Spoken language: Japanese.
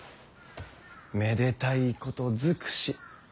めでたいこと尽くし。